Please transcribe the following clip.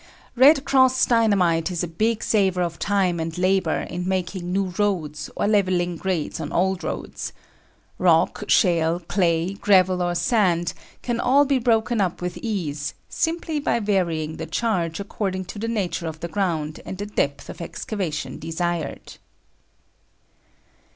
"Red Cross" Dynamite is a big saver of time and labor in making new roads, or leveling grades on old roads. Rock, shale, clay, gravel or sand, can all be broken up with ease, simply by varying the charge according to the nature of the ground and the depth of excavation desired.